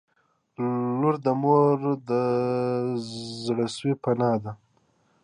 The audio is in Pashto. • لور د مور د زړسوي پناه ده.